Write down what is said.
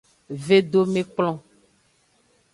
Vedomekplon.